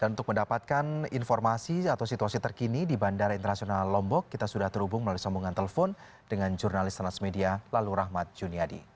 untuk mendapatkan informasi atau situasi terkini di bandara internasional lombok kita sudah terhubung melalui sambungan telepon dengan jurnalis transmedia lalu rahmat juniadi